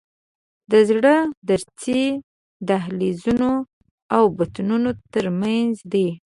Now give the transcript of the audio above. د زړه دریڅې د دهلیزونو او بطنونو تر منځ دي.